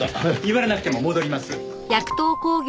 言われなくても戻ります！